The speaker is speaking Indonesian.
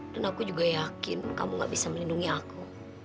dan aku juga yakin kamu gak bisa melindungi aku